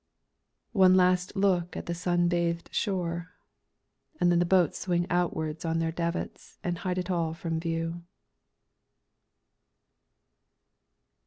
One last look at the sun bathed shore, and then the boats swing outwards on their davits and hide it all from view.